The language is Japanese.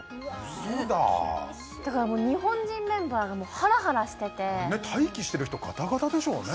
嘘だだからもう日本人メンバーがもうハラハラしてて待機してる人ガタガタでしょうね